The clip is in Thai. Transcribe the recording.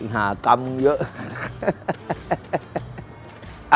หากรรมเยอะ